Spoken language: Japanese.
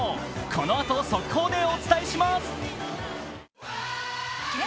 このあと、速報でお伝えします。